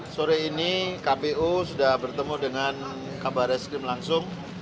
sore ini kpu sudah bertemu dengan kabar reskrim langsung